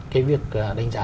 cái việc đánh giá